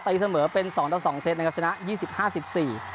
เสมอเป็นสองต่อสองเซตนะครับชนะยี่สิบห้าสิบสี่